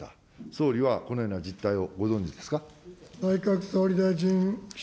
総理はこのような実態をご存じですか。